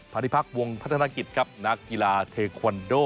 ภาษีภักดิ์วงธนรักศักดิ์ครับนักกีฬาเทควันโด